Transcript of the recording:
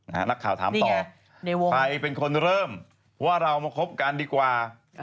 นักข่าวถามต่อใครเป็นคนเริ่มว่าเรามาคบกันดีกว่า